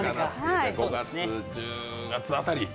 ５月１０月辺り。